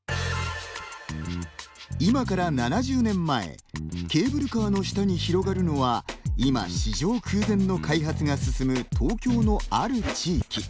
今から７０年前ケーブルカーの下に広がるのは今、史上空前の開発が進む東京のある地域。